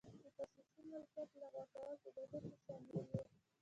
د خصوصي مالکیت لغوه کول په بهیر کې شامل و.